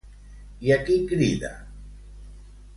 I a qui crida?